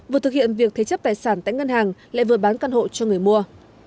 vừa thực hiện việc thế chấp tài sản tại ngân hàng lại vừa bán căn hộ cho người mua